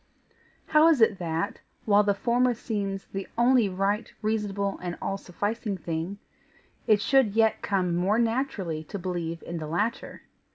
How is it that, while the former seems the only right, reasonable, and all sufficing thing, it should yet come more naturally to believe in the latter?